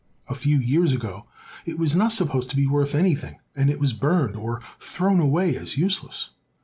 A few years ago it was not supposed to be worth anything, and it was burned or thrown away as useless.